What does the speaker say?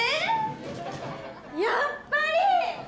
やっぱり！